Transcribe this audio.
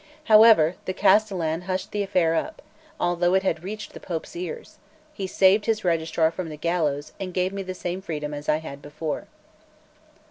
However, the castellan hushed the affair up, although it had reached the Pope's ears; he saved his registrar from the gallows, and gave me the same freedom as I had before.